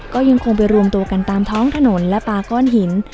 ก็ยังคงไปรวมตัวกันตามท้องถนนและปลาก้อนหิน